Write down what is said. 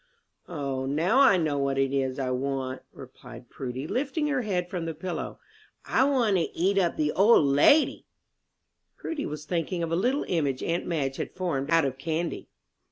"O, now I know what it is I want," replied Prudy, lifting her head from the pillow, "I want to eat up the old lady!" Prudy was thinking of a little image aunt Madge had formed out of candy.